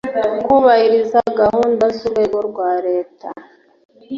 kubahiriza gahunda z urwego rwa Leta